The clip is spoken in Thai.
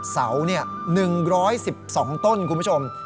เสา๑๑๒ต้นคุณผู้ชม